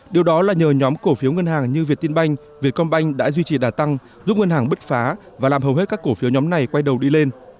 điều đó là nhờ nhóm cổ phiếu ngân hàng như việt tiên banh việt công banh đã duy trì đà tăng giúp ngân hàng bứt phá và làm hầu hết các cổ phiếu nhóm này quay đầu đi lên